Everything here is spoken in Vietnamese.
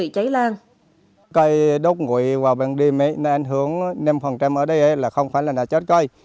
cây đốt ngũi vào bên đêm nó ảnh hưởng đến năm ở đây là không phải là nó chết cây